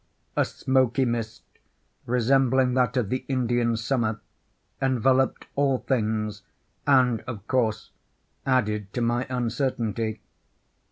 A smoky mist, resembling that of the Indian summer, enveloped all things, and of course, added to my uncertainty.